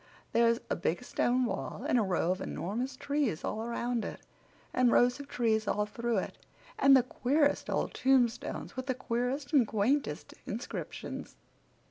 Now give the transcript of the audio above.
There's a big stone wall and a row of enormous trees all around it, and rows of trees all through it, and the queerest old tombstones, with the queerest and quaintest inscriptions.